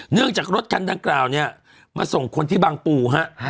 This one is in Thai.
เนื่องจากรถกันด้านกล่าวนี้มาส่งคนที่บางปู่